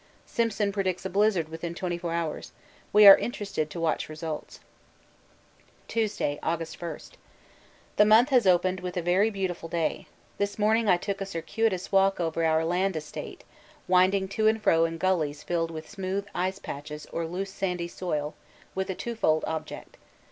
Simpson predicts a blizzard within twenty four hours we are interested to watch results. Tuesday, August 1. The month has opened with a very beautiful day. This morning I took a circuitous walk over our land 'estate,' winding to and fro in gulleys filled with smooth ice patches or loose sandy soil, with a twofold object.